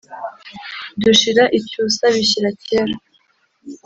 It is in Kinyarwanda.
dushira icyusa bishyira kera,